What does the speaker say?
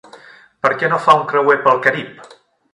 Per què no fa un creuer pel Carib?